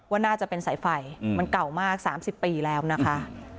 ว่าน่าจะเป็นสายไฟมันเก่ามาก๓๐ปีแล้วนะคะ